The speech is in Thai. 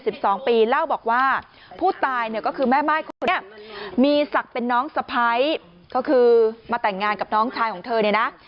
เล่าบอกว่าผู้ตายเนี่ยก็คือแม่ม่ายคนนี้มีศักดิ์เป็นน้องสะพ้ายก็คือมาแต่งงานกับน้องชายของเธอเนี่ยนะ